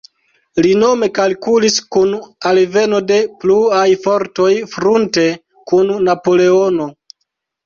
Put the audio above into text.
Li nome kalkulis kun alveno de pluaj fortoj frunte kun Napoleono.